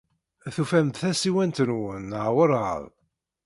Tufam-d tasiwant-nwen neɣ werɛad?